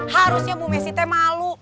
harusnya bu messi teh malu